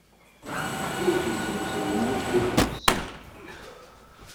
Igezzem s lmus ur nemsid.